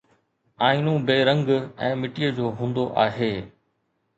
آئينو بي رنگ ۽ مٽيءَ جو هوندو آهي